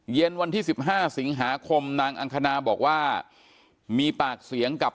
เย็นวันที่๑๕สิงหาคมนางอังคณาบอกว่ามีปากเสียงกับ